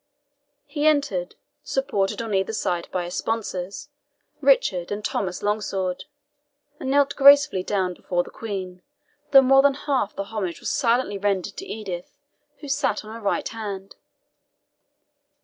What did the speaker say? He entered, supported on either side by his sponsors, Richard and Thomas Longsword, and knelt gracefully down before the Queen, though more than half the homage was silently rendered to Edith, who sat on her right hand.